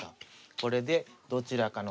これでどちらかの。